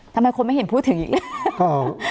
ทำไมคนไม่เห็นพูดถึงอีก